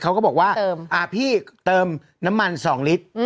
เขาก็บอกว่าพี่เติมน้ำมัน๒ลิตร